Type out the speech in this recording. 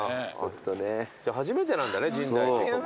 初めてなんだね深大寺。